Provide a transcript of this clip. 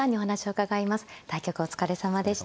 対局お疲れさまでした。